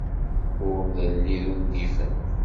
Ur nelli d ungifen.